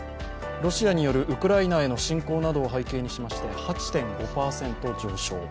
ロシアによるウクライナへの侵攻などを背景にしまして８．５％上昇。